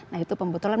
nah itu pembetulan